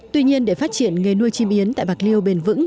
tuy nhiên để phát triển nghề nuôi chim yến tại bạc liêu bền vững